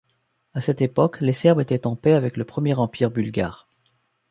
À cette époque, les serbes étaient en paix avec le Premier empire Bulgare.